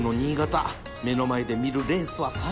目の前で見るレースは最高だ